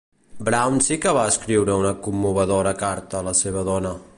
Brown sí que va escriure una commovedora carta a la seva dona.